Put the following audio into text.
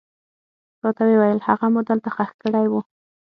راته ويې ويل هغه مو دلته ښخ کړى و.